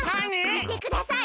みてください！